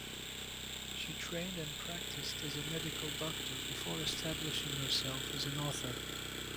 She trained and practised as a medical doctor before establishing herself as an author.